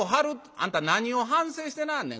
「あんた何を反省してなはんねん